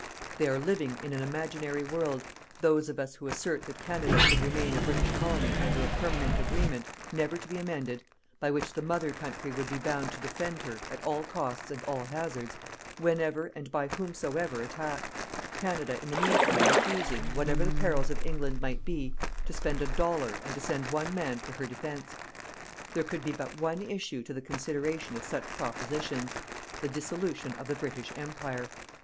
They are living in an imaginary world those of us who assert that Canada could remain a British Colony under a permanent agreement never to be amended by which the Mother Country would be bound to defend her, at all costs and all hazards, whenever and by whomsoever attacked, Canada in the meantime refusing, whatever the perils of England might be, to spend a dollar and to send one man for her defence. There could be but one issue to the consideration of such propositions: the dissolution of the British Empire.